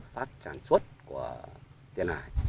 phát tràn suất của tiền hải